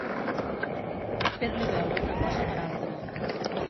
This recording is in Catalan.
Fer-li veure una cosa per altra.